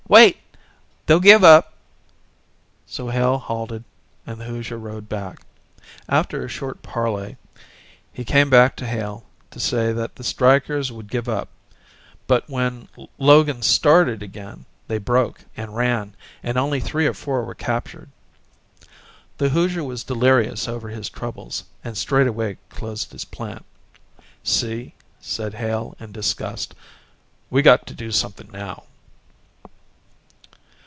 Wait they'll give up." So Hale halted and the Hoosier rode back. After a short parley he came back to Hale to say that the strikers would give up, but when Logan started again, they broke and ran, and only three or four were captured. The Hoosier was delirious over his troubles and straightway closed his plant. "See," said Hale in disgust. "We've got to do something now."